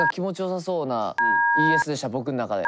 僕ん中で。